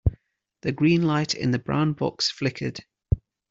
The green light in the brown box flickered.